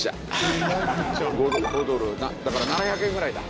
５ドルだから７００円ぐらいだ。